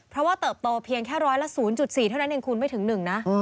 เพราะว่าเติบโตเพียงแค่ร้อยละ๐๔เท่านั้นเองคูณไม่ถึง๑นะ